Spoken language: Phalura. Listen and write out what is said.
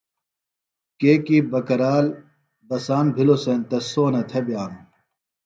کیکی بکرال بساند بِھلوۡ سینتہ سونہ تھےۡ بئانوۡ